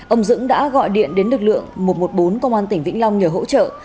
ông dững đã gọi điện đến lực lượng một trăm một mươi bốn công an tỉnh vĩnh long nhờ hỗ trợ